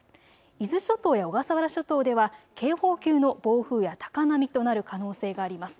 伊豆諸島や小笠原諸島では警報級の暴風や高波となる可能性があります。